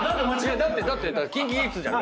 だってだってＫｉｎＫｉＫｉｄｓじゃん。